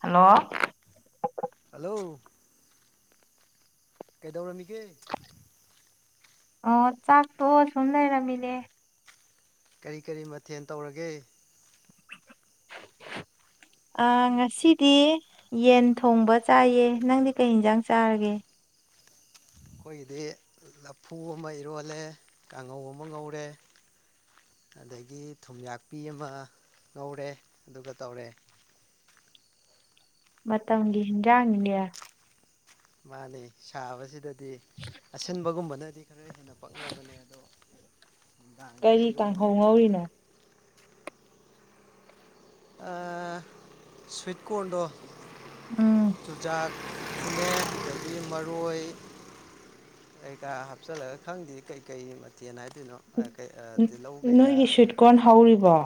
hello hello ꯀꯩꯗꯧꯔꯝꯃꯤꯒꯦ ꯑꯣ ꯆꯥꯛꯇꯣ ꯁꯨꯝ ꯂꯩꯔꯝꯃꯤꯅꯦ ꯀꯔꯤ ꯀꯔꯤ ꯃꯊꯦꯜ ꯇꯧꯔꯒꯦ ꯉꯁꯤꯗꯤ ꯌꯦꯟ ꯊꯣꯡꯕ ꯆꯥꯏꯌꯦ ꯅꯪꯗꯤ ꯀꯩ ꯌꯦꯟꯁꯥꯡ ꯆꯥꯔꯒꯦ ꯑꯩꯈꯣꯏꯒꯤꯗꯤ ꯂꯐꯨ ꯑꯃ ꯏꯔꯣꯜꯂꯦ ꯀꯥꯡꯉꯧ ꯑꯃ ꯉꯧꯔꯦ ꯑꯗꯒꯤ ꯊꯨꯝꯌꯥꯛꯄꯤ ꯑꯃ ꯉꯧꯔꯦ ꯑꯗꯨꯒ ꯇꯧꯔꯦ ꯃꯋꯥꯒꯖ ꯏꯌꯥ ꯃꯥꯅꯦ ꯁꯥꯕꯁꯤꯗꯗꯤ ꯗꯤ ꯑꯁꯤꯟꯕꯒꯨꯝꯕꯅꯗꯤ ꯈꯔ ꯍꯦꯟꯅ ꯄꯛꯅꯕꯅꯦ ꯑꯗꯣ ꯅꯨꯡꯗꯥꯡꯅꯤꯅ ꯀꯔꯤ ꯏꯔꯣꯟ ꯂꯩꯔꯝꯃꯤ ꯇꯥꯡꯍꯧꯍꯧꯔꯤꯅꯣ ꯁ꯭ꯋꯤꯠ ꯀꯣꯔꯟꯗ ꯎꯝ ꯆꯨꯖꯥꯛ ꯌꯦꯗꯒꯤ ꯃꯔꯣꯏ ꯑꯩ ꯀꯥ ꯍꯥꯞꯆꯜꯂꯒ ꯈꯪꯗꯦ ꯀꯩꯀꯩ ꯃꯊꯦꯜ ꯍꯥꯏ ꯎ ꯅꯣꯏꯒꯤ ꯁꯨꯏꯠꯀꯣꯟꯟ ꯍꯧꯔꯤꯕꯣ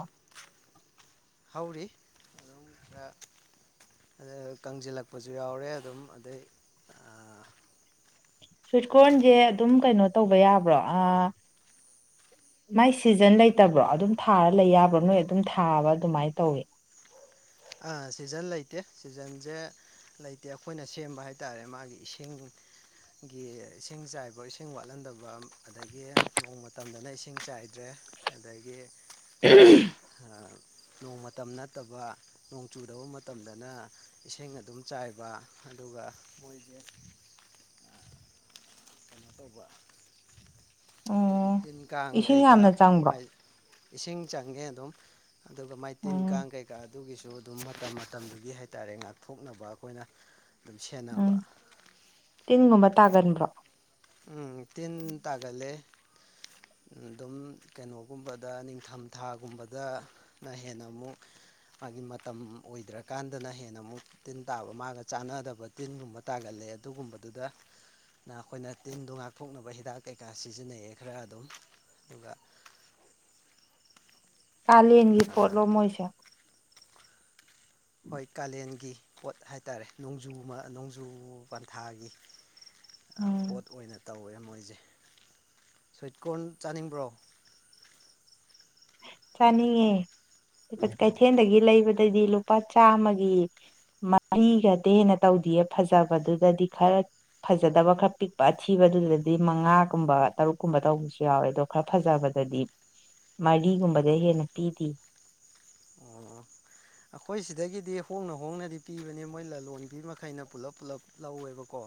ꯍꯧꯥꯎꯔꯤ ꯑꯗꯨ ꯑ ꯀꯪꯁꯤꯜꯂꯛꯄꯁꯨ ꯌꯥꯎꯔꯦ ꯑꯗꯨꯝ ꯑꯗꯩ ꯁ꯭ꯋꯤꯠꯀꯟꯁꯦ ꯑꯗꯨꯝ ꯀꯩꯅꯣ ꯇꯧꯕ ꯌꯥꯕ꯭ꯔꯣ ꯑ ꯎꯝ ꯃꯥꯏ ꯁꯤꯖꯟ ꯂꯩꯇꯕ꯭ꯔꯣ ꯑꯗꯨꯝ ꯊꯥꯔ ꯂꯩ ꯌꯥꯕ꯭ꯔꯥ ꯅꯣꯏ ꯑꯗꯨꯝ ꯊꯥꯕ ꯑꯗꯨꯃꯥꯏꯅ ꯇꯧꯋ ꯑꯥ ꯁꯤꯖꯟ ꯂꯩꯇꯦ ꯁꯤꯖꯟꯁꯦ ꯂꯩꯇꯦ ꯑꯩꯈꯣꯏꯅ ꯁꯦꯝꯕ ꯍꯥꯏ ꯇꯥꯔꯦ ꯃꯥꯒꯤ ꯏꯁꯤꯡ ꯒꯤ ꯏꯁꯤꯡ ꯆꯥꯏꯕ ꯏꯁꯤꯡ ꯋꯥꯠꯍꯟꯗꯕ ꯑꯗꯒꯤ ꯅꯣꯡ ꯃꯇꯝꯗꯅ ꯏꯁꯤꯡ ꯆꯥꯏꯗ꯭ꯔꯦ ꯑꯗꯒꯤ ꯅꯣꯡ ꯃꯇꯝ ꯅꯠꯇꯕ ꯅꯣꯡ ꯆꯨꯗꯕ ꯃꯇꯝꯗꯅ ꯏꯁꯤꯡ ꯑꯗꯨꯝ ꯆꯥꯏꯕ ꯑꯗꯨꯒ ꯃꯣꯏꯁꯦ ꯇꯣ ꯑꯣ ꯇꯤꯟ ꯀꯥꯡ ꯏꯁꯤꯡ ꯌꯥꯝꯅ ꯀꯩꯀꯥ ꯆꯪꯕ꯭ꯔꯣ ꯃꯥꯏ ꯏꯁꯤꯡ ꯆꯪꯉꯦ ꯑꯗꯨꯝ ꯑꯗꯨꯒ ꯃꯥꯏꯇꯤꯟ ꯎꯝ ꯀꯥꯡ ꯀꯩꯀꯥ ꯑꯗꯨꯒꯤꯁꯨ ꯁꯨ ꯑꯗꯨꯝ ꯃꯇꯝ ꯃꯇꯝꯗꯨꯒꯤ ꯍꯥꯏꯇꯥꯔꯦ ꯉꯥꯛꯊꯣꯛꯅꯕ ꯑꯩꯈꯣꯏꯅ ꯑꯗꯨꯝ ꯎꯝ ꯁꯦꯟꯅꯕ ꯇꯤꯟꯒꯨꯝꯕ ꯇꯥꯒꯟꯕ꯭ꯔꯣ ꯎꯝ ꯇꯤꯟ ꯇꯥꯒꯜꯂꯦ ꯑꯗꯨꯝ ꯀꯩꯅꯣꯒꯨꯝꯕꯗ ꯅꯤꯡꯊꯝꯊꯥꯒꯨꯝꯕꯗꯅ ꯍꯦꯟꯅ ꯑꯃꯨꯛ ꯃꯥꯒꯤ ꯃꯇꯝ ꯑꯣꯏꯗ꯭ꯔꯀꯥꯟꯗꯅ ꯍꯦꯟꯅ ꯑꯃꯨꯛ ꯇꯤꯟ ꯇꯥꯕ ꯃꯥꯒ ꯆꯥꯟꯅꯗꯕ ꯇꯤꯟꯒꯨꯝꯕ ꯇꯥꯒꯜꯂꯦ ꯑꯗꯨꯒꯨꯝꯕꯗꯨꯗꯅ ꯑꯩꯈꯣꯏꯅ ꯇꯤꯟꯗꯣ ꯉꯥꯛꯊꯣꯛꯅꯕ ꯍꯤꯗꯥꯛ ꯀꯩꯀꯥ ꯁꯤꯖꯤꯟꯅꯩꯑꯌꯦ ꯈꯔ ꯑꯗꯨꯝ ꯑꯗꯨꯒ ꯀꯥꯂꯦꯟꯒꯤ ꯄꯣꯠꯂꯣ ꯃꯣꯏꯁꯦ ꯍꯣꯏ ꯀꯥꯂꯦꯟꯒꯤ ꯄꯣꯠ ꯍꯥꯏꯇꯥꯔꯦ ꯅꯣꯡꯖꯨ ꯅꯣꯡꯖꯨ ꯄꯟꯊꯥꯒꯤ ꯎꯝ ꯄꯣꯠ ꯑꯣꯏꯅ ꯇꯧꯋꯦ ꯃꯣꯏꯁꯦ ꯁꯋꯤꯠ ꯀꯣꯔꯟ ꯆꯥꯅꯤꯡꯕ꯭ꯔꯣ ꯆꯅꯤꯉꯦ ꯀꯩꯊꯦꯜꯗꯒꯤ ꯂꯩꯕꯗꯗꯤ ꯂꯨꯄꯥ ꯆꯥꯝꯃꯒꯤ ꯃꯔꯤꯒꯗꯦꯅ ꯇꯧꯗ ꯐꯖꯕꯗꯨꯗꯗꯤ ꯈꯔ ꯐꯖꯗꯕ ꯈꯔ ꯄꯤꯛꯄ ꯑꯊꯤꯕꯗꯨꯗꯗꯤ ꯃꯉꯥꯒꯨꯝꯕ ꯇꯔꯨꯛꯀꯨꯝꯕ ꯇꯧꯕꯁꯨ ꯌꯥꯎꯋꯦ ꯑꯗꯣ ꯈꯔ ꯐꯖꯕꯗ ꯗꯤ [inaudible] ꯃꯔꯤꯒꯨꯝꯕꯗ ꯍꯦꯟꯅ ꯄꯤꯗꯤ ꯑꯣ ꯑꯩꯈꯣꯏ ꯁꯤꯗꯒꯤꯗꯤ ꯍꯣꯡꯅ-ꯍꯣꯡꯅꯗꯤ ꯄꯤꯕꯅꯦ ꯃꯣꯏ ꯂꯂꯣꯟꯕꯤ ꯃꯈꯩꯅ ꯄꯨꯜꯂꯞ-ꯄꯨꯜꯂꯞ ꯂꯧꯋꯦꯕꯀꯣ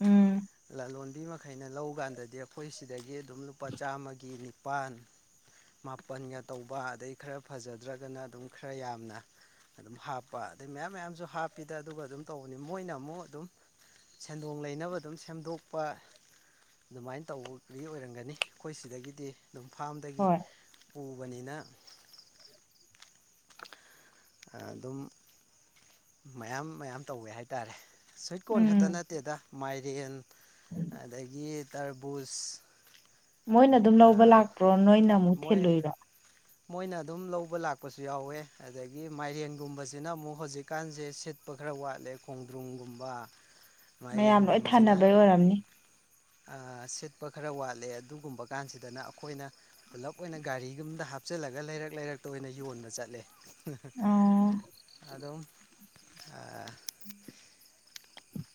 ꯎꯝ ꯂꯂꯣꯟꯕꯤ ꯃꯈꯩꯅ ꯂꯧꯀꯥꯟꯗꯗꯤ ꯑꯩꯈꯣꯏ ꯁꯤꯗꯒꯤ ꯑꯗꯨꯝ ꯂꯨꯄꯥ ꯆꯥꯝꯃꯒꯤ ꯄꯥꯟ ꯃꯥꯄꯜꯒ ꯇꯧꯕ ꯑꯗꯩ ꯈꯔ ꯐꯖꯗ꯭ꯔꯒꯅ ꯑꯗꯨꯝ ꯈꯔ ꯌꯥꯝꯅ ꯑꯗꯨꯝ ꯍꯥꯞꯄ ꯑꯗꯩ ꯃꯌꯥꯝ-ꯃꯌꯥꯝꯁꯨ ꯍꯥꯞꯄꯤꯗ ꯑꯗꯨꯒ ꯑꯗꯨꯝ ꯇꯧꯕꯅꯤ ꯃꯣꯏꯅ ꯑꯃꯨꯛ ꯑꯗꯨꯝ ꯁꯦꯟꯗꯣꯡ ꯂꯩꯅꯕꯗ ꯑꯗꯨꯝ ꯁꯦꯝꯗꯣꯛꯄ ꯑꯗꯨꯃꯥꯏꯅ ꯇꯧꯕꯒꯤ ꯑꯣꯏꯔꯝꯒꯅꯤ ꯑꯩꯈꯣꯏ ꯁꯤꯗꯒꯤꯗꯤ ꯑꯗꯨꯝ ꯐꯥꯝꯗꯒꯤ ꯍꯣꯏ ꯄꯨꯕꯅꯤꯅ ꯑꯗꯨꯝ ꯃꯌꯥꯝ-ꯃꯌꯥꯝ ꯇꯧꯋꯦ ꯍꯥꯏꯇꯥꯔꯦ ꯁ꯭ꯋꯤꯠ ꯀꯣꯔꯟ ꯈꯛꯇ ꯎꯝ ꯅꯠꯇꯦꯗ ꯃꯥꯏꯔꯦꯟ ꯑꯗꯒꯤ ꯇꯔꯕꯨꯁ ꯃꯣꯏꯅ ꯑꯗꯨꯝ ꯂꯧꯕ ꯂꯥꯛꯄꯔꯣ ꯅꯣꯏꯅ ꯑꯃꯨꯛ ꯃꯣꯏ ꯊꯤꯂꯨꯏꯔꯣ ꯃꯣꯏꯅ ꯑꯗꯨꯝ ꯂꯧꯕ ꯂꯥꯛꯄꯁꯨ ꯌꯥꯎꯋꯦ ꯑꯗꯒꯤ ꯃꯥꯏꯔꯦꯟꯒꯨꯝꯕꯁꯤꯅ ꯑꯃꯨꯛ ꯍꯧꯖꯤꯛꯀꯥꯟꯁꯦ ꯁꯤꯠ ꯠꯄ ꯈꯔ ꯋꯥꯠꯂꯦ ꯈꯣꯡꯗ꯭ꯔꯨꯝꯒꯨꯝꯕ ꯃꯌꯥꯝ ꯂꯣꯏ ꯃꯥꯏꯔꯦꯟꯒꯨꯝꯕꯁꯤꯅ ꯊꯥꯅꯕꯩ ꯑꯣꯏꯔꯝꯅꯤ ꯁꯤꯠꯄ ꯈꯔ ꯋꯥꯠꯂꯦ ꯑꯗꯨꯒꯨꯝꯕ ꯀꯥꯟꯁꯤꯗꯅ ꯑꯩꯈꯣꯏꯅ ꯄꯨꯂꯞ ꯑꯣꯏꯅ ꯒꯥꯔꯤꯒꯨꯝꯗ ꯍꯥꯞ ꯍꯥꯨꯞꯆꯜꯂꯒ ꯂꯩꯔꯛ-ꯂꯩꯔꯛꯇ ꯑꯣꯏꯅ ꯌꯣꯟꯕ ꯆꯠꯂꯦ ꯑꯣ ꯑꯗꯨꯝ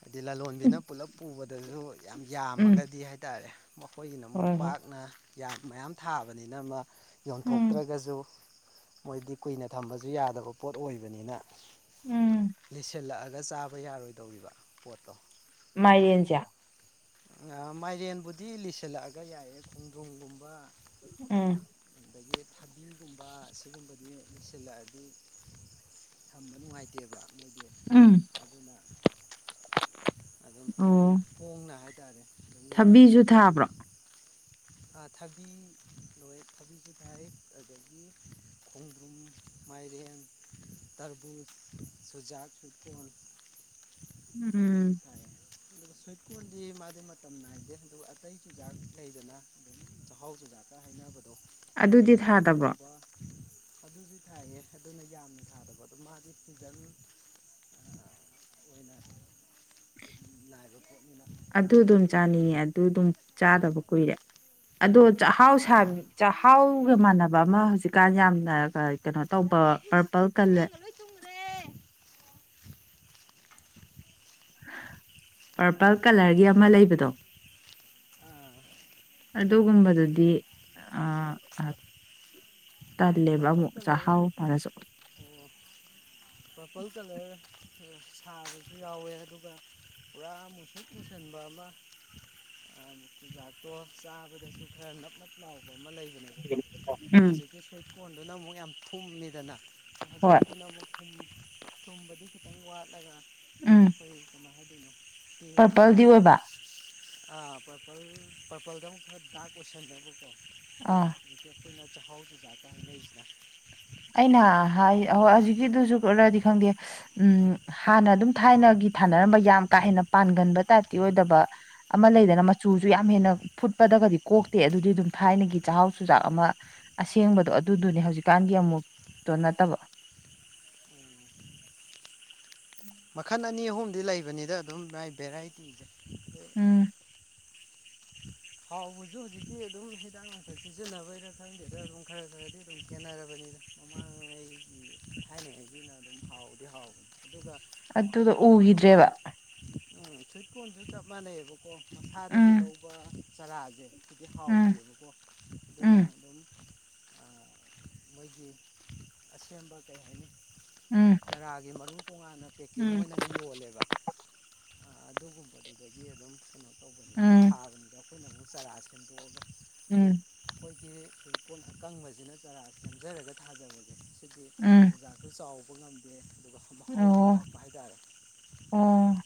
ꯍꯥꯏꯗꯤ ꯂꯂꯣꯟꯕꯤꯅ ꯄꯨꯂꯞ ꯄꯨꯕꯗꯁꯨ ꯌꯥꯝ ꯎꯝ ꯌꯥꯝꯃꯒꯗꯤ ꯍꯥꯏꯇꯥꯔꯦ ꯃꯈꯣꯏꯒꯤꯅ ꯃꯨꯛ ꯍꯣꯏ ꯍꯣꯏ ꯄꯥꯛꯅ ꯌꯥꯝ ꯃꯌꯥꯝ ꯊꯥꯕꯅꯤꯅ ꯑꯃ ꯎꯝ ꯌꯣꯟꯊꯣꯛꯇ꯭ꯔꯒꯁꯨ ꯃꯣꯏꯗꯤ ꯀꯨꯏꯅ ꯊꯝꯕꯁꯨ ꯌꯥꯗꯕ ꯄꯣꯠ ꯑꯣꯏꯕꯅꯤꯅ ꯎꯝ ꯂꯤꯁꯤꯜꯂꯛꯑꯒ ꯒ ꯆꯥꯕ ꯌꯥꯔꯣꯏꯗꯧꯔꯤꯕ ꯄꯣꯠꯇꯣ ꯃꯥꯏꯔꯦꯟꯁꯦ ꯃꯥꯏꯔꯦꯟꯕꯨꯗꯤ ꯂꯤꯁꯤꯜꯂꯛꯑꯒ ꯌꯥꯏꯌꯦ ꯈꯣꯡꯗ꯭ꯔꯣꯡꯒꯨꯝꯕ ꯎꯝ ꯑꯗꯒꯤ ꯊꯕꯤꯒꯨꯝꯕ ꯁꯤꯒꯨꯝꯕꯗꯤ ꯂꯣꯏꯁꯤꯜꯂꯛꯑꯗꯤ ꯊꯝꯕ ꯅꯨꯡꯉꯥꯏꯇꯦꯕ ꯃꯣꯏꯗꯤ ꯎꯝ ꯑꯗꯨꯅ ꯑꯗꯨꯝ ꯊꯨꯅ ꯑꯣ ꯍꯣꯡꯅ ꯍꯥꯏ ꯍꯥꯏꯇꯥꯔꯦ ꯑꯗꯨꯝ ꯊꯕꯤꯁꯨ ꯌꯣꯟꯊꯣꯛꯈꯤꯗ꯭ꯔꯒꯗꯤ ꯊꯥꯕ꯭ꯔꯣ ꯊꯕꯤ ꯂꯣꯏ ꯊꯕꯤꯁꯨ ꯊꯥꯏ ꯑꯗꯨꯗꯒꯤ ꯈꯣꯡꯗ꯭ꯔꯨꯝ ꯃꯥꯏꯔꯦꯟ ꯇꯔꯕꯨꯖ ꯆꯨꯖꯥꯛ ꯆꯇꯜ ꯎꯝ ꯁꯣꯏꯀꯨꯟꯗꯤ ꯃ [unintelligible] ꯃꯇꯝ ꯅꯥꯏꯗꯦ ꯑꯗꯨꯒ ꯑꯇꯩ ꯆꯨꯖꯥꯛ ꯂꯩꯗꯅ ꯑꯗꯨꯝ ꯆꯥꯛꯍꯥꯎ ꯆꯨꯖꯥꯛꯇ ꯍꯥꯏꯅꯕꯗ ꯑꯗꯨꯗꯤ ꯊꯥꯗꯕ꯭ꯔꯣ ꯑꯗꯨꯁꯨ ꯊꯥꯏꯌꯦ ꯑꯗꯨꯅ ꯌꯥꯝꯅ ꯊꯥꯗꯕ ꯑꯗꯨ ꯃꯥꯗꯤ ꯐꯤꯖꯟ ꯑꯣꯏꯅ ꯂꯥꯏ ꯂꯐꯠ ꯃ ꯇ [inaudible] ꯑꯗꯨ ꯑꯗꯨꯝ ꯆꯥꯅꯤꯡꯉꯦ ꯑꯗꯨ ꯑꯗꯨꯝ ꯆꯥꯗꯕ ꯀꯨꯏꯔꯦ ꯑꯗꯣ ꯆꯥꯛꯍꯥꯎ-ꯆꯥꯛꯍꯥꯎꯒ ꯃꯥꯟꯅꯕ ꯑꯃ ꯍꯧꯖꯤꯛꯀꯥꯟ ꯌꯥꯝꯅ ꯀꯩꯅꯣ ꯇꯧꯕ ꯄꯔꯄꯜ ꯀꯜꯂꯔ ꯑꯉꯥꯡꯒ ꯂꯣꯏ ꯇꯨꯝꯈ꯭ꯔꯦ ꯄꯔꯄꯜ ꯑꯥ ꯀꯂꯔꯒꯤ ꯑꯃ ꯂꯩꯕꯗꯣ ꯑꯥ ꯑꯗꯨꯒꯨꯝꯕꯗꯨꯗꯤ ꯇꯜꯂꯦꯕ ꯄꯄꯜ ꯑꯃꯨꯛ ꯀꯂꯔ ꯆꯥꯛꯍꯥꯎ ꯃꯥꯅꯁꯨ ꯑꯣ ꯄꯄꯜ ꯀꯜꯔ ꯁꯥꯕꯁꯨ ꯌꯥꯎꯋꯦ ꯑꯗꯨꯒ ꯄꯨꯔꯥ ꯃꯨꯁꯤꯠ ꯃꯨꯁꯟꯕ ꯑꯃ [unintelligible] ꯑ ꯌꯥꯗꯣ ꯆꯥꯕꯗꯁꯨ ꯈꯔ ꯅ ꯃ ꯂꯑꯣ [unintelligible] ꯑꯃ ꯂꯩꯕꯅꯦꯕꯀꯣ ꯎꯝ ꯍꯧꯖꯤꯛꯀꯤ ꯁꯣꯏ ꯐꯣꯟꯗꯨꯅ ꯑꯃꯨꯛ ꯌꯥꯝ ꯊꯨꯝꯃꯤꯗꯅ ꯍꯣꯏ ꯍꯧꯖꯤꯛꯀꯤꯗꯨꯅ ꯑꯃꯨꯛ ꯊꯨꯝꯕꯗꯤ ꯈꯤꯇꯪ ꯋꯥꯠꯂꯒ ꯎꯝ ꯑꯩꯈꯣꯏ ꯀꯃꯥꯏ ꯍꯥꯏꯗꯣꯏꯅꯣ ꯄꯔꯄꯜꯗꯤ ꯑꯣꯏꯕ ꯑꯥ ꯄꯔꯄꯜ-ꯄꯔꯄꯜꯗ ꯑꯃꯨꯛ ꯈꯔ ꯗ ꯀꯣꯏꯁꯟꯗ ꯀꯣ ꯑꯥ ꯑꯩꯈꯣꯏꯅꯆꯦ ꯍꯥꯎꯁꯨꯗꯥꯛꯀ ꯂꯩꯖꯗ ꯑꯩꯅ ꯍꯥꯏ ꯍꯧꯖꯤꯛꯀꯤꯗꯨꯁꯨꯔꯗꯤ ꯈꯪꯗꯦ ꯎꯝ ꯍꯥꯟꯅ ꯑꯗꯨꯝ ꯊꯥꯏꯅꯒꯤ ꯊꯥꯅꯔꯝꯕ ꯌꯥꯝ ꯀꯥ ꯍꯦꯟꯅ ꯄꯥꯟꯒꯟꯕ ꯇꯥꯏꯞꯀꯤ ꯑꯣꯏꯗꯕ ꯑꯃ ꯂꯩꯗꯅ ꯃꯆꯨꯁꯨ ꯑꯥ ꯌꯥꯝ ꯍꯦꯟꯅ ꯐꯨꯠꯄꯗꯒꯗꯤ ꯀꯣꯛꯇꯦ ꯑꯗꯨꯗꯤ ꯑꯗꯨꯝ ꯊꯥꯏꯅꯒꯤ ꯆꯥꯛꯍꯥꯎ ꯆꯨꯖꯥꯛ ꯑꯃ ꯑꯁꯦꯡꯕꯗꯣ ꯑꯗꯨꯗꯨꯅꯦ ꯍꯧꯖꯤ ꯀꯥꯟ ꯍꯣꯏ ꯑꯃꯨꯛꯇ ꯅꯠꯇꯕ ꯎꯝ ꯃꯈꯜ ꯑꯅꯤ ꯑꯍꯨꯝꯗꯤ ꯂꯩꯕꯅꯤꯗ ꯑꯗꯨꯝ ꯃꯥꯏ ꯚꯦꯔꯥꯏꯇꯤꯁꯦ ꯑꯗꯣ ꯎꯝ ꯍꯥꯎꯕꯁꯨ ꯍꯧꯖꯤꯛꯇꯤ ꯑꯗꯨꯝ ꯍꯤꯗꯥꯛ ꯂꯥꯡꯊꯛ ꯁꯤꯖꯤꯟꯅꯕꯩꯗ ꯈꯪꯗꯦꯗ ꯑꯗꯨꯝ ꯈꯔ ꯈꯔꯗꯤ ꯑꯗꯨꯝ ꯈꯦꯟꯅꯔꯕꯅꯤ ꯑꯃꯥꯡ ꯑꯩꯒꯤ ꯊꯥꯏꯅꯉꯩꯒꯤꯅ ꯑꯗꯨꯝ ꯍꯥꯎꯕꯗꯤ ꯍꯥꯎꯕꯅꯤ ꯑꯗꯨꯒ ꯑꯗꯨꯗꯣ ꯁ꯭ꯋꯤꯠ ꯀꯣꯟꯟꯁꯨ ꯎꯈꯤꯗ꯭ꯔꯦꯕ ꯎꯝ ꯁ꯭ꯨꯋꯤꯠ ꯀꯣꯟꯟꯁꯨ ꯆꯞ ꯃꯥꯟꯅꯩꯑꯕꯀꯣ ꯃꯁꯥꯗꯒꯤ ꯎꯝ ꯂꯧꯕ ꯆꯔꯥꯁꯦ ꯍꯧꯗꯤ ꯎꯝ ꯍꯥꯎꯈꯤꯑꯕꯀꯣ ꯑꯗꯨꯅ ꯎꯝ ꯑꯗꯨꯝ ꯃꯣꯏꯒꯤ ꯑꯁꯦꯡꯕ ꯀꯩ ꯍꯥꯏꯅꯤ ꯎꯝ ꯆꯔꯥꯒꯤ ꯃꯔꯨ ꯇꯣꯉꯥꯟꯅ ꯄꯦꯛꯀꯤꯡ ꯎꯝ ꯑꯣꯏꯅꯒ ꯌꯣꯜꯂꯦꯕ ꯑꯗꯨꯒꯨꯝꯕꯗꯨꯗꯒꯤ ꯑꯗꯨꯝ ꯀꯩꯅꯣ ꯇꯧꯕꯅꯤꯗ ꯎꯝ ꯊꯥꯕꯅꯤꯗ ꯑꯩꯈꯣꯏꯅ ꯑꯃꯨꯛ ꯆꯔꯥꯁ ꯁꯦꯝꯗꯣꯛꯑꯒ ꯍꯥꯏꯗꯤ ꯎꯝ ꯑꯩꯈꯣꯏꯒꯤ ꯑꯩꯈꯣꯏ ꯀꯣ ꯑꯀꯪꯕꯁꯤꯅ ꯆꯔꯥ ꯁꯦꯝꯖꯔꯒ ꯊꯥꯖꯕꯁꯦ ꯁꯤꯗꯤ ꯎꯝ ꯆꯤꯟꯖꯥꯛꯁꯤ ꯆꯥꯎꯕ ꯇꯧꯕ ꯉꯝꯗꯦ ꯑꯗꯨꯒ ꯃꯍꯥꯎꯁꯨ ꯑꯣ ꯋꯥꯠꯄ ꯍꯥꯏꯇꯥꯔꯦ ꯑꯣ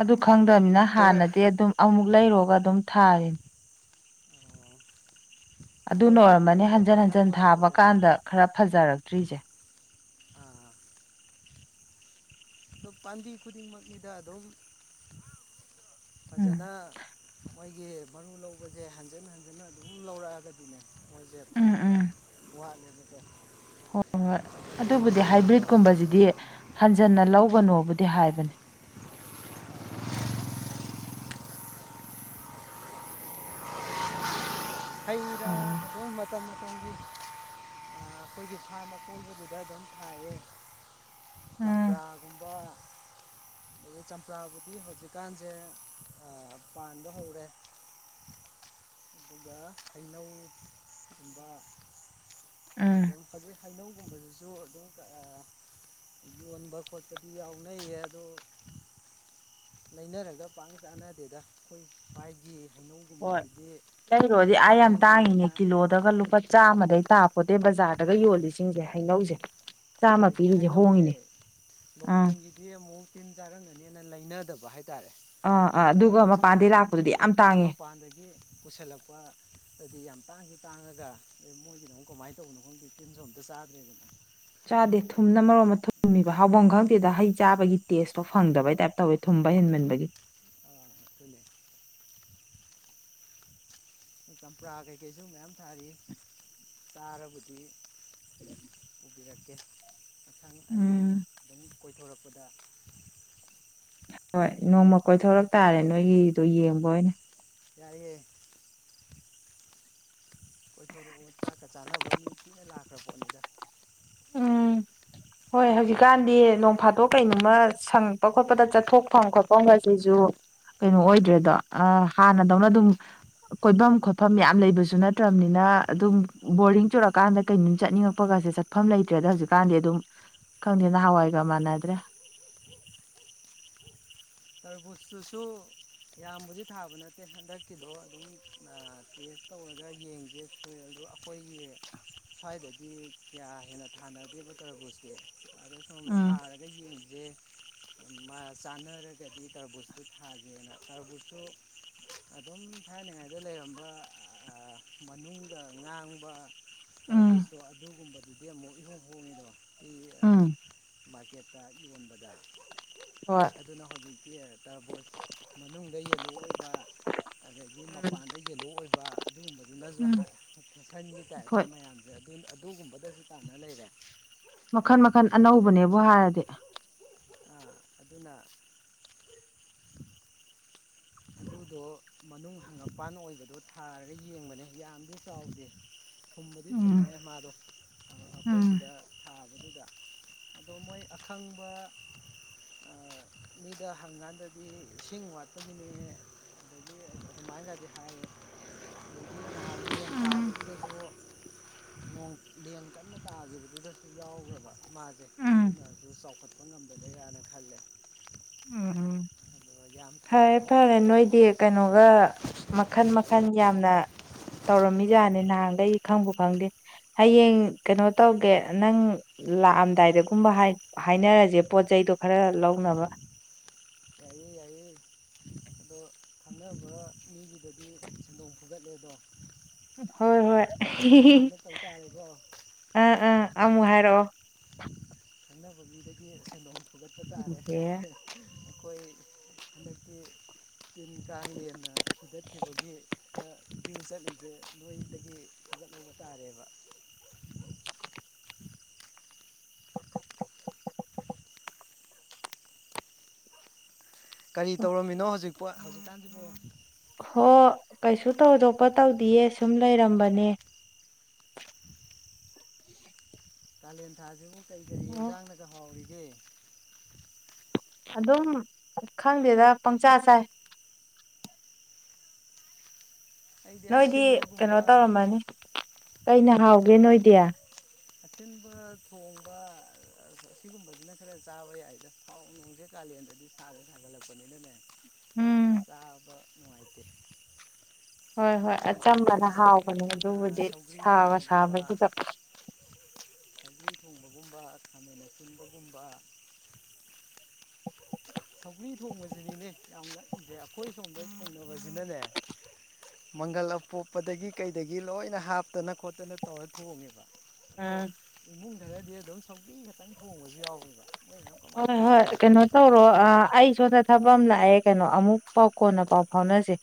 ꯑꯗꯨ ꯈꯪꯗꯅꯤꯅ ꯄꯨꯔꯛ ꯍꯥꯟꯅꯗꯤ ꯑꯗꯨꯝ ꯑꯃꯨꯛ ꯂꯩꯔꯨꯔꯒ ꯑꯗꯨꯝ ꯊꯥꯔꯤꯅꯤ ꯑꯗꯨꯅ ꯄꯨꯔꯛꯀꯦ ꯑꯣꯏꯔꯝꯃꯅꯤ ꯄꯨꯔꯛꯀꯦ ꯍꯟꯖꯟ ꯃꯊꯪ ꯍꯟꯖꯟ ꯊꯥꯕ ꯂꯥꯛꯄꯗꯗꯤ ꯀꯥꯟꯗ ꯈꯔ ꯐꯖꯔꯛꯇ꯭ꯔꯤꯁꯦ ꯑ ꯄꯥꯟꯗꯤ ꯈꯨꯗꯤ ꯃꯕꯤꯗ ꯑꯗꯝ ꯎꯝ ꯐꯖꯅ ꯃꯣꯏꯒꯤ ꯃꯔꯨ ꯂꯧꯕꯁꯦ ꯍꯟꯖꯤꯟ ꯍꯟꯖꯟ ꯑꯗꯨꯝ ꯂꯧꯔꯛꯑꯒꯗꯤꯅꯦ ꯃ ꯗꯦꯠ ꯎꯝ ꯊꯥꯖꯕ ꯎꯝ ꯋꯥꯅꯦꯕꯀ ꯍꯣꯏ ꯑꯗꯨꯕꯨꯗꯤ ꯍꯥꯏꯕ꯭ꯔꯤꯠꯀꯨꯝꯕꯁꯤꯗꯤ ꯍꯟꯖꯟꯅ ꯂꯒꯅꯣꯕꯨꯗꯤ ꯍꯥꯏꯕꯅꯦ ꯍꯩ ꯔꯥ ꯍꯣꯏ ꯑꯗꯨꯝ ꯃꯇꯝ ꯃꯇꯝꯒꯤ ꯑꯩꯈꯣꯏꯒꯤ ꯐꯥꯔꯝ ꯑꯀꯣꯏꯕꯗꯨꯗ ꯑꯗꯨꯝ ꯊꯥꯏꯌꯦ ꯆꯝꯄ꯭ꯔꯥꯒꯨꯝꯕ ꯑ ꯆꯝꯄ꯭ꯔꯥꯕꯨꯗꯤ ꯍꯧꯖꯤꯛꯀꯥꯟꯁꯦ ꯄꯥꯟꯕ ꯍꯧꯔꯦ ꯑꯗꯨꯣꯏ ꯐꯥꯏꯅꯧ ꯑꯗꯨꯕ ꯎꯝ ꯑꯗꯨꯗ ꯐꯖꯦ ꯍꯩꯅꯧꯒꯨꯝꯕꯗꯨꯁꯨ ꯑꯗꯨꯝ ꯌꯣꯟꯕ ꯈꯣꯠꯄꯗꯤ ꯌꯥꯎꯅꯩꯌꯦ ꯑꯗꯣ ꯂꯩꯅꯔꯒ ꯄꯥꯛ ꯆꯥꯅꯗꯦꯗ ꯑꯩꯈꯣꯏ ꯃꯥꯒꯤ ꯍꯣꯏ ꯀꯩꯅꯣꯗꯤ ꯑꯩ ꯌꯥꯝ ꯇꯥꯡꯉꯤꯅꯦ ꯆꯥꯔꯝꯒꯅꯦꯅ ꯀꯤꯂꯣꯗꯒ ꯂꯨꯄꯥ ꯎꯝ, ꯆꯥꯝꯃꯗꯩ ꯇꯥꯄꯣꯠꯇꯩ ꯕꯖꯥꯔꯗꯒ ꯌꯣꯜꯂꯤꯁꯦ ꯏꯁꯤꯡꯁꯦ ꯍꯩꯅꯧꯁꯦ ꯆꯥꯝꯃ ꯑꯗꯒꯤ ꯄꯤꯔꯤꯁꯦ ꯍꯩꯅꯧꯁꯦ ꯍꯣꯡꯉꯤꯅꯦ ꯑꯥ ꯂꯣꯀꯦꯜꯒꯤꯗꯤ ꯑꯃꯨꯛ ꯇꯤꯟ ꯆꯥꯔꯝꯒꯅꯦꯅ ꯂꯩꯅꯗꯕ ꯍꯥꯏꯇꯥꯔꯦ ꯑꯥ ꯇꯥꯔꯦ ꯑꯥ ꯑꯗꯨꯅ ꯑꯗꯨꯒ ꯃꯄꯥꯟꯗꯩ ꯑꯁꯣꯝ ꯂꯥꯛꯄꯗꯨꯗꯤ ꯌꯥꯝ ꯇꯥꯡꯉꯦ ꯃꯄꯥꯟꯗꯒꯤ ꯄꯨꯁꯤꯜꯂꯛꯄ ꯑꯗꯨꯗꯤ ꯌꯥꯝ ꯇꯥꯡꯈꯤ ꯇꯥꯡꯉꯒ ꯑꯦ ꯃꯣꯏꯒꯤꯅꯣꯛ ꯀꯃꯥꯏꯅ ꯇꯧꯕꯅꯣ ꯈꯪꯒꯤ ꯇꯤꯟ ꯁꯣꯝꯇ ꯆꯥꯗ꯭ꯔꯦꯕꯅꯣ ꯆꯥꯗꯦ ꯊꯨꯝꯅ ꯃꯔꯣꯝ ꯑꯃ ꯊꯨꯝꯃꯤꯕ ꯍꯥꯎꯐꯝ ꯈꯪꯗꯦꯗ ꯍꯩ ꯆꯥꯕꯒꯤ ꯇꯦꯁꯇꯣ ꯐꯪꯗꯕꯩ ꯇꯥꯏꯞ ꯇꯧꯋꯦ ꯊꯨꯝꯕ ꯍꯦꯟ ꯃꯗꯒꯤ ꯑ ꯐꯂꯦ ꯆꯝꯄ꯭ꯔꯥ ꯀꯩꯀꯩꯁꯨ ꯃꯌꯥꯝ ꯊꯥꯔꯤ ꯆꯥꯔꯕꯗꯤ ꯎꯝ ꯇꯤꯔꯛꯀꯦ ꯃꯊꯪ ꯑꯩ ꯑꯗꯨꯝ ꯀꯣꯏꯊꯣꯔꯛꯄꯗ ꯍꯣꯏ ꯅꯣꯡꯃ ꯀꯣꯏꯊꯣꯔꯛ ꯇꯥꯔꯦ ꯅꯣꯏꯒꯤꯗꯣ ꯌꯦꯡꯕ ꯑꯣꯏꯅ ꯌꯥꯏꯑꯦ ꯀꯣꯏꯊꯣꯔꯛꯎ ꯆꯥꯛꯀ ꯆꯥꯅꯕ ꯃꯤ ꯀꯨꯅ ꯂꯥꯛꯈ꯭ꯔ ꯄꯣꯠꯅꯤꯗ ꯎꯝ ꯍꯣꯏ ꯍꯧꯖꯤꯛꯀꯥꯟꯗꯤ ꯅꯣꯡꯐꯥꯠꯇꯣꯛ ꯀꯩꯅꯣꯝꯃ ꯁꯪꯉꯛꯄ ꯈꯣꯠꯄꯗ ꯆꯠꯊꯣꯛꯐꯝ ꯈꯣꯠꯐꯝ ꯉꯁꯤꯁꯨ ꯀꯩꯅꯣ ꯑꯣꯏꯗ꯭ꯔꯦꯗꯣ ꯑ ꯍꯥꯟꯅꯗꯧꯅ ꯎꯝ ꯑꯗꯨꯝ ꯀꯣꯏꯐꯝ ꯈꯣꯠꯐꯝ ꯌꯥꯝ ꯂꯩꯕꯁꯨ ꯅꯠꯇ꯭ꯔꯕꯅꯤꯅ ꯑꯗꯨꯝ ꯕꯣꯔꯗꯤꯡ ꯆꯨꯔꯛꯀꯥꯟꯗ ꯀꯩꯅꯣꯝ ꯆꯠꯅꯤꯡꯉꯛꯄꯒꯁꯦ ꯆꯠ ꯆꯠꯐꯝ ꯂꯩꯇ꯭ꯔꯦꯗ ꯍꯧꯛ ꯀꯥꯟꯗꯤ ꯑꯗꯨꯝ ꯈꯪꯗꯦ ꯅꯍꯥꯟꯋꯥꯏꯒ ꯃꯥꯟꯅꯗ꯭ꯔꯦ ꯇꯔꯕꯨꯨꯁꯇꯨꯁꯨ ꯌꯥꯝꯕꯨꯗꯤ ꯊꯥꯕ ꯅꯠꯇꯦ ꯍꯟꯗꯛꯀꯤꯗꯣ ꯑꯗꯨꯝꯄ ꯇꯧꯔꯒ ꯌꯦꯡꯒꯦ ꯐꯏ ꯑꯗꯣ ꯑꯩꯈꯣꯏꯒꯤ ꯁ꯭ꯋꯥꯏꯗꯗꯤ ꯀꯌꯥ ꯍꯦꯟꯅ ꯊꯥꯅꯗꯦꯕ ꯇꯔꯒꯁꯦ ꯑꯗꯣ ꯁꯨꯝ ꯎꯝ ꯁꯥꯔꯒ ꯌꯦꯡꯁꯦ ꯆꯥꯅꯔ ꯗꯤ ꯇꯔꯕꯨꯠꯇꯨ ꯊꯥꯒꯦꯅ ꯇꯔꯕꯨꯠꯁꯨ ꯑꯗꯨꯝ ꯊꯥꯅꯉꯥꯏꯗ ꯂꯩꯔꯝꯕ ꯃꯅꯨꯡꯗ ꯉꯥꯡꯕ ꯎꯝ ꯁꯥꯔꯚꯤꯁꯇꯣ ꯑꯗꯨꯒꯨꯝꯕꯗꯨꯗꯤ ꯑꯃꯨꯛ ꯏꯍꯣꯡ ꯍꯣꯡꯉꯗꯣ ꯎꯝ ꯀꯦꯠ ꯌꯣꯟꯕ ꯌꯥꯏ ꯍꯣꯏ ꯑꯗꯨꯅ ꯍꯧꯖꯤꯛ ꯅꯨ ꯇꯕꯣꯏ ꯃꯅꯨꯡꯗ ꯌꯦꯜꯂꯣꯑꯣꯏꯕ ꯑꯗꯒꯤ ꯃꯄꯥꯟꯗ ꯌꯦꯜꯂꯣ ꯑꯣꯏꯕ ꯑꯗꯨꯒꯨꯝꯕꯗꯨꯅꯁꯨ ꯎꯝ ꯍꯥꯏ ꯐꯁꯟꯒꯤ ꯇꯥꯏꯞꯇ ꯍꯣꯏ ꯃꯌꯥꯝꯁꯦ ꯑꯗꯨ ꯑꯗꯨꯒꯨꯝꯕꯗꯁꯨ ꯇꯥꯟꯅ ꯂꯩꯔꯦ ꯃꯈꯟ ꯃꯈꯜ ꯑꯅꯧꯕꯅꯦꯕꯨ ꯍꯥꯏꯔꯗꯤ ꯑꯥ ꯑꯗꯨꯅ ꯑꯗꯨꯗꯣ ꯃꯅꯨꯡ ꯍꯪꯉꯄꯥꯟ ꯑꯣꯏꯕꯗꯣ ꯊꯥꯔꯒ ꯌꯦꯡꯕꯅꯦ ꯌꯥꯝꯗꯤ ꯆꯥꯎꯗꯦ ꯊꯨꯝꯕꯨꯗꯤ ꯎꯝ ꯊꯨꯝꯃꯦ ꯃꯥꯗꯣ ꯎꯝ ꯑꯩꯈꯣꯏꯁꯤꯗ ꯊꯥꯕꯗꯨꯗ ꯑꯗꯣ ꯃꯣꯏ ꯑꯈꯪꯕ ꯃꯤꯗ ꯍꯪꯀꯥꯟꯗꯗꯤ ꯏꯁꯤꯡ ꯋꯥꯠꯄꯅꯤꯅꯦꯌꯦ ꯑꯗꯒꯤ ꯍꯤꯃꯥꯏꯒꯗ ꯍꯥꯏꯥꯏ ꯅꯤ ꯇꯕꯣ ꯎꯝ ꯣꯡ ꯂꯦꯡ ꯀꯟꯅ ꯇꯥꯈꯤꯕꯗꯨꯗꯁꯨ ꯌꯥꯎꯈ꯭ꯔꯕ ꯃꯥꯁꯦ ꯎꯝ ꯑꯗꯨꯅꯁꯨ ꯆꯥꯎꯈꯠꯄ ꯆꯄ ꯉꯝꯗꯗꯔꯅ ꯈꯜꯂꯦ ꯎꯝ ꯎꯝ ꯑꯗꯣ ꯌꯥꯝ ꯐꯔꯦ ꯊꯥꯕꯕꯨꯗꯤ ꯐꯔꯦ ꯅꯠꯇꯦ ꯅꯣꯏꯗꯤ ꯀꯩꯅꯣꯒ ꯇꯔꯕꯨꯁꯇꯨꯗꯤ ꯃꯈꯜ ꯃꯈꯟ ꯌꯥꯝꯅ [unintelligible] ꯇꯧꯔꯝꯃꯤꯖꯥꯠꯅꯤ ꯅꯍꯥꯟꯈꯩ ꯈꯪꯕꯨ ꯈꯪꯗꯦ ꯍꯌꯦꯡ ꯀꯩꯅꯣ ꯇꯧꯒꯦ ꯅꯪ ꯂꯥꯛꯑꯝꯗꯥꯏꯗꯒꯨꯝꯕ ꯍꯥꯏꯅꯔꯁꯦ ꯄꯣꯠ ꯆꯩꯗꯣ ꯈꯔ ꯂꯧꯅꯕ ꯌꯥꯏꯌꯦ ꯌꯥꯏꯌꯦ ꯑꯗꯣ ꯈꯪꯅꯕ ꯃꯤꯒꯤꯗꯗꯤ ꯁꯦꯟꯗꯣꯡ ꯐꯨꯒꯠꯂꯦ ꯑꯗꯣ ꯍꯣꯏ ꯍꯣꯏ ꯑꯗꯨꯃꯥꯏꯅ ꯇꯧ ꯇꯥꯔꯦꯀꯣ ꯑꯥ ꯑꯥ ꯑꯃꯨꯛ ꯍꯥꯏꯔꯛꯑꯣ ꯈꯪꯅꯕꯕꯤꯗꯒꯤ ꯁꯦꯟꯗꯣꯝ ꯐꯨꯒꯠꯄ ꯇꯥꯔꯦ ꯑꯩꯈꯣꯏ ꯍꯟꯗꯛꯀꯤ ꯇꯤꯟ ꯀꯥꯡ ꯂꯦꯅ ꯊꯤꯖꯠꯈꯤꯕꯒꯤ ꯇꯤꯡ ꯆꯠꯂꯤꯁꯦ ꯅꯣꯏꯗꯒꯤ ꯐꯒꯠꯂꯕ ꯇꯥꯔꯦꯕ ꯀꯔꯤ ꯇꯧꯔꯝꯃꯤꯅꯣ ꯍꯧꯖꯤꯛꯄꯣ ꯍꯧ ꯍꯣ ꯀꯩꯁꯨ ꯇꯧꯗꯣꯛꯄ ꯇꯧꯗꯤꯌꯦ ꯁꯨꯝ ꯂꯩꯔꯝꯕꯅꯦ ꯀꯥꯂꯦꯟꯊꯥꯁꯤꯕꯨ ꯀꯔꯤ ꯀꯔꯤ ꯑꯣ ꯑꯦꯟꯖꯥꯡꯅꯒ ꯍꯥꯎꯔꯤꯒꯦ ꯑꯗꯨꯝ ꯈꯪꯗꯦꯗ ꯄꯪꯆꯥ ꯆꯥꯏ ꯑꯩꯗꯤ ꯅꯣꯏꯗꯤ ꯀꯩꯅꯣ ꯑꯁꯤꯟꯕꯒꯨꯝꯕ ꯇꯧꯔꯝꯃꯅꯤ ꯀꯩꯅ ꯍꯥꯎꯒꯦ ꯅꯣꯏꯗꯤ ꯑꯁꯤꯤꯟꯕ ꯊꯣꯡꯕ ꯑꯁꯤꯒꯨꯝꯕꯁꯤꯅ ꯈꯔ ꯆꯥꯕ ꯌꯥꯏꯗꯥꯎ ꯅꯨꯡꯁꯦ ꯀ ꯗꯤ ꯐꯔ ꯂꯅꯤꯅꯦ ꯎꯝ ꯆꯕ ꯅꯨꯡꯉꯥꯏꯇ ꯍꯣꯏ ꯍꯣꯏ ꯑꯆꯝꯕꯅ ꯍꯥꯎꯕꯅꯦ ꯑꯗꯨꯕꯨꯗꯤ ꯁꯧꯒ꯭ꯔꯤ ꯁꯥꯕ ꯁꯥꯕꯒꯤꯗ ꯁꯛ꯭ꯂꯤ ꯊꯣꯡꯕꯒꯨꯝꯕ ꯈꯥꯃꯦꯟ ꯑꯁꯤ ꯑꯁꯤꯟꯕꯒꯨꯝꯕ ꯊꯧ꯭ꯂꯤ ꯊꯣꯡꯕꯁꯤꯅꯤꯅꯦ ꯌꯥꯝꯅ ꯑꯩꯈꯣꯏ ꯑ ꯁꯣꯝꯕ ꯊꯦꯡꯅꯕꯁꯤꯅꯅꯦ ꯃꯪꯒꯜ ꯑꯄꯣꯞꯄꯗꯒꯤ ꯀꯩꯗꯒꯤ ꯂꯣꯏꯅ ꯍꯥꯞꯇꯅ ꯈꯣꯠꯇꯅ ꯇꯧꯔ ꯊꯣꯡꯉꯦꯕ ꯑꯗꯣ ꯎꯝ ꯏꯃꯨꯡꯗꯗꯗꯤ ꯑꯗꯨꯝ ꯁꯧꯀꯤꯡ ꯈꯛꯇꯪ ꯊꯣꯡꯕꯁꯨ ꯌꯥꯎꯕ꯭ꯔ ꯃꯣꯏ ꯥꯏ ꯍꯣꯏ ꯆ ꯍꯣꯏ ꯂꯩꯗꯤ ꯀꯩꯅꯣ ꯊꯥꯛꯄ ꯇꯧꯔꯣ ꯑꯩ ꯁꯣꯝꯗ ꯊꯕꯛ ꯑꯃ ꯂꯥꯛꯑꯦ ꯀꯩꯅꯣ ꯑꯃꯨꯛ ꯄꯥꯎ ꯀꯣꯟꯅ ꯄꯥꯎ ꯐꯥꯎꯅꯁꯦ